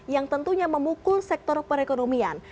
yang tentunya memukul sektor perekonomian